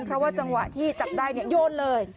เพราะว่าจังหวะที่จับได้โยนเลย